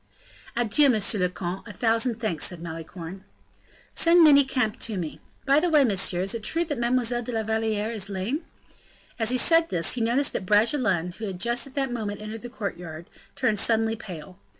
"Adieu, monsieur le comte; a thousand thanks," said Malicorne. "Send Manicamp to me. By the way, monsieur, is it true that Mlle. de la Valliere is lame?" As he said this, he noticed that Bragelonne, who had just at that moment entered the courtyard, turned suddenly pale.